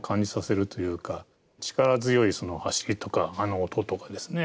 力強い走りとかあの音とかですね。